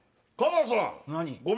何？